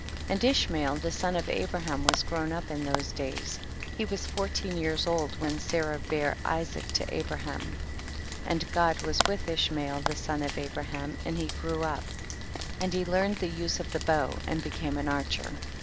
And Ishmael the son of Abra ham was grown up in those days ; he was fourteen years old when Sa rah bare Isaac to Abraham. 12. And God was with Ishmael the son of Abraham, and he grew up and he learned the use of the bow and became an archer. 13.